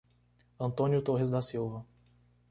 Antônio Torres da Silva